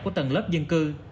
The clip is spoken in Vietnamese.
của tầng lớp dân cư